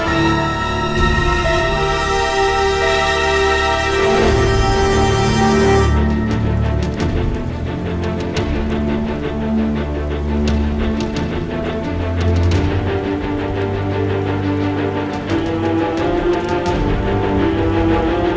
ini mesti dibawa ke rumah sakit nih